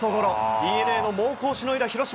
ＤｅＮＡの猛攻をしのいだ広島。